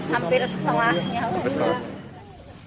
hampir setelahnya bu ya